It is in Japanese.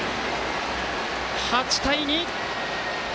８対２。